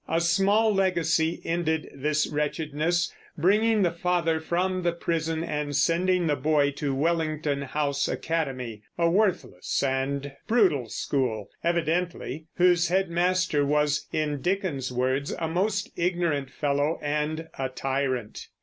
A small legacy ended this wretchedness, bringing the father from the prison and sending the boy to Wellington House Academy, a worthless and brutal school, evidently, whose head master was, in Dickens's words, a most ignorant fellow and a tyrant.